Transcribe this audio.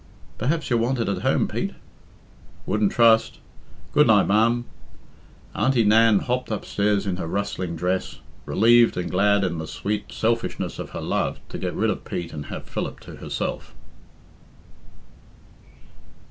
"Perhaps you're wanted at home, Pete?" "Wouldn't trust. Good night, ma'am." Auntie Nan hopped upstairs in her rustling dress, relieved and glad in the sweet selfishness of her love to get rid of Pete and have Philip to herself.